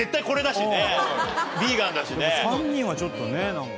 ３人はちょっとねなんか。